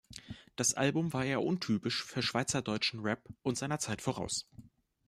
Das Album war eher untypisch für schweizerdeutschen Rap und seiner Zeit voraus.